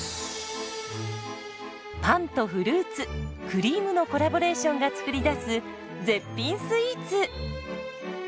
パンとフルーツクリームのコラボレーションが作り出す絶品スイーツ。